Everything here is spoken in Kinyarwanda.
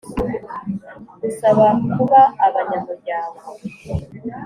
Gusaba kuba abanyamuryango